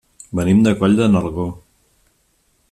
Venim de Coll de Nargó.